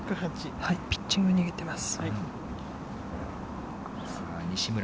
ピッチング握ってます。